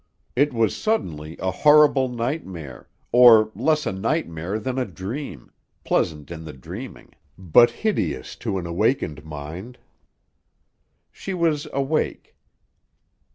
It was suddenly a horrible nightmare, or less a nightmare than a dream, pleasant in the dreaming, but hideous to an awakened mind. She was awake.